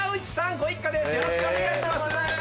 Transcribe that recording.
よろしくお願いします。